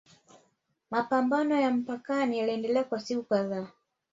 Mapambano ya mpakani yaliendelea kwa siku kadhaa